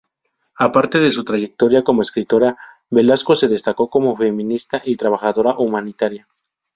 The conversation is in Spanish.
Aparte de su trayectoria como escritora, Velasco se destacó como feminista y trabajadora humanitaria.